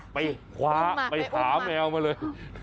ไปคว้าไปหาแมวมาเลย